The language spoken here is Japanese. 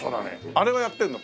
あれはやってんの？